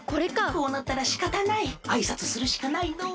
こうなったらしかたないあいさつするしかないのう。